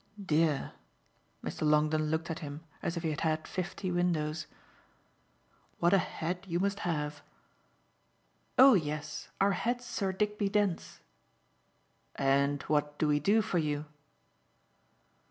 "Dear!" Mr. Longdon looked at him as if he had had fifty windows. "What a head you must have!" "Oh yes our head's Sir Digby Dence." "And what do we do for you?"